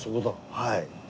はい。